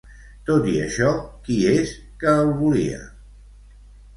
Tot i això, qui és que el volia?